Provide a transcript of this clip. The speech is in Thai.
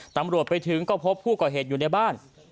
ตำรวจไปถึงก็พบผู้ก่อเหตุอยู่ในบ้าน